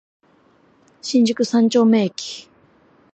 新宿三丁目駅